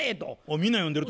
みんな読んでると。